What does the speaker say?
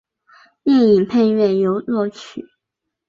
电影配乐由作曲。